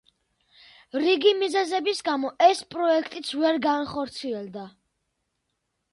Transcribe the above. რიგი მიზეზების გამო ეს პროექტიც ვერ გახორციელდა.